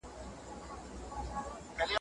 تاسو په خپلو کي مالونه مه خورئ.